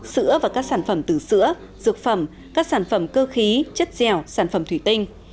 sữa và các sản phẩm từ sữa dược phẩm các sản phẩm cơ khí chất dẻo sản phẩm thủy tinh